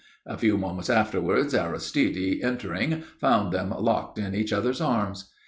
A few moments afterwards Aristide, entering, found them locked in each other's arms.